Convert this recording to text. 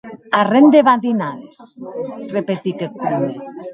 Arren de badinades!, repetic eth comde.